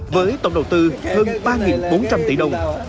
với tổng đầu tư hơn ba bốn trăm linh tỷ đồng